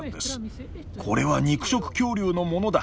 「これは肉食恐竜のものだ。